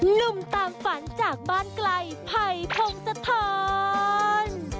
ลุ่มตามฝันจากบ้านไกลไผ่โพงสะทอน